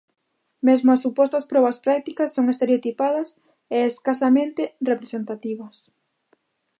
Mesmo as supostas probas prácticas son estereotipadas e escasamente representativas.